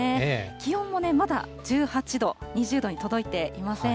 気温もまだ１８度、２０度に届いていません。